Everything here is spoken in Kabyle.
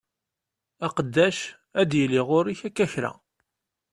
Aqeddac ad yili ɣur-k akka kra.